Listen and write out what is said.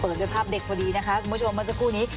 ด้วยภาพเด็กพอดีนะคะคุณผู้ชมเมื่อสักครู่นี้